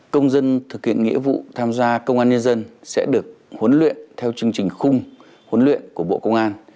công dân thực hiện nghĩa vụ tham gia công an nhân dân sẽ được huấn luyện theo chương trình khung huấn luyện của bộ công an